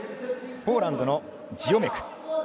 ポーランドのジオメク。